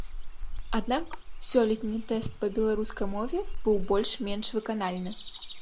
Аднак сёлетні тэст па беларускай мове быў больш-менш выканальны.